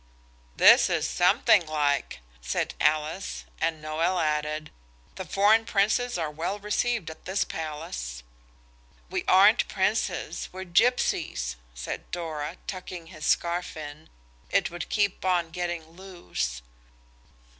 "This is something like," said Alice, and Noël added: "The foreign princes are well received at this palace." "We aren't princes, we're gipsies," said Dora, tucking his scarf in. It would keep on getting loose.